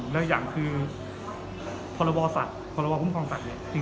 และอย่างคือภาระวาสัตว์ภาระวาสัตว์ภูมิความตัดเนี่ย